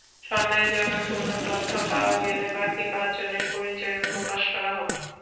সন্দেহজনক কোনো তথ্য পাওয়া গেলে বাকি পাঁচজনের পরিচয়ও প্রকাশ করা হবে।